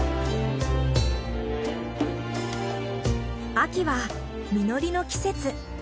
秋は実りの季節。